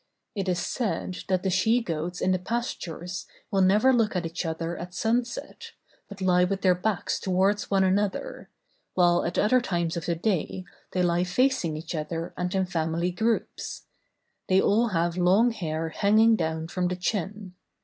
It is said that the she goats in the pastures will never look at each other at sun set, but lie with their backs towards one another, while at other times of the day they lie facing each other and in family groups. They all have long hair hanging down from the chin.